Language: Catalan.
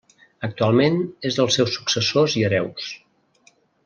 Actualment és dels seus successors i hereus.